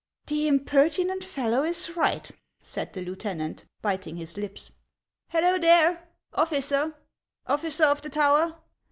"The impertinent fellow is right," said the lieutenant, biting his lips. " Hullo, there, officer, officer of the tower